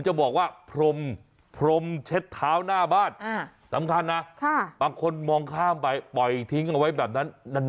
ใช่ค่อนข้างจะต้องดูแลตัวเองดีรีบล้างหน้ากลัวเลย